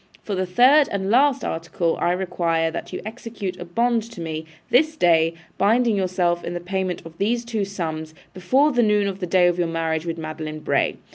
For the third and last article, I require that you execute a bond to me, this day, binding yourself in the payment of these two sums, before noon of the day of your marriage with Madeline Bray.